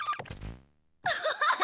アハハハ！